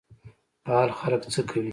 فعال خلک څه کوي؟